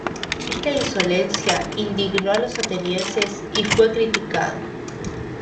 Esta insolencia indignó a los atenienses y fue criticada.